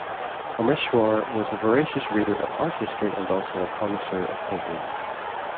Parmeshwar was a voracious reader of art history and also a connoisseur of paintings.